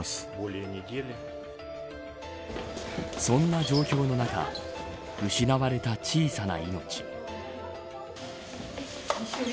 そんな状況の中失われた小さな命。